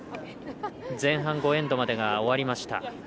前半、５エンドまでが終わりました。